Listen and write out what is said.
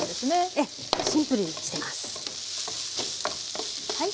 ええシンプルにしてます。